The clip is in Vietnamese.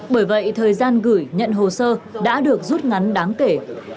bởi vậy thời gian gửi nhận hồ sơ đã được rút ngắn đáng kể